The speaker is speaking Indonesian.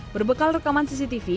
berbekal rekaman cctv